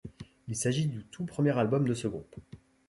Il s'agit du tout premier album de ce groupe.